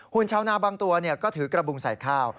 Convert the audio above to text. ชาวนาบางตัวก็ถือกระบุงใส่ข้าว